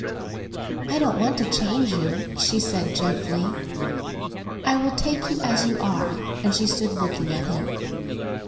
"I don't want to change you," she said gently. "I will take you as you are!" And she stood looking at him.